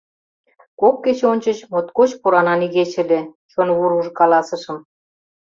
— Кок кече ончыч моткоч поранан игече ыле, — чон вургыж каласышым.